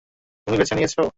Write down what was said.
তুমি বেছে নিয়েছো?